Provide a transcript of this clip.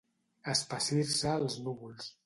Espessir-se els núvols.